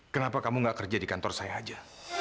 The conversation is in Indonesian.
kenapa kamu gak kerja di kantor saya aja